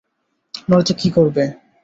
নয়ত কি করবে?